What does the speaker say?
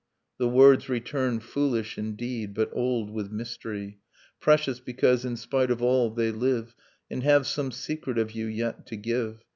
— the words return Foolish, indeed, but old with mystery, Precious, because, in spite of all, they live And have some secret of you yet to give.